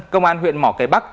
công an huyện mỏ cây bắc